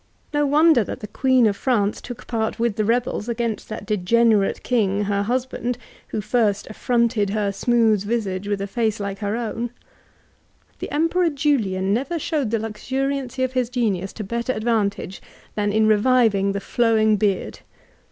— ^No wonder that the (^oeea of Fiance took part with the lebds against that degenerate King, her hosband, who first affronted her smooth visage with a fact Hke her own. The Emperor Jnhan never showed the faDcmiancy of his genins to better advantage than in reviving the flowing beard.